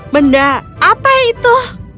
benda apa itu